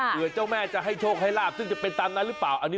เพื่อเจ้าแม่จะให้โชคให้ลาบซึ่งจะเป็นตามนั้นหรือเปล่า